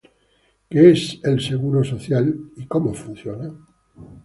¿Qué es el Seguro Social y cómo funciona?